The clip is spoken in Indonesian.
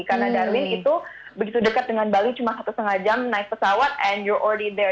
karena darwin itu begitu dekat dengan bali cuma satu setengah jam naik pesawat and you're already there